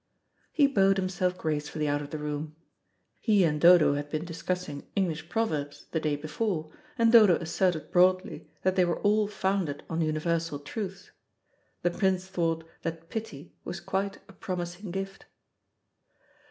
He bowed himself gracefully out of the room. He and Dodo had been discussing English proverbs the day before, and Dodo asserted broadly that they were all founded on universal truths. The Prince thought that pity was quite a promising gift.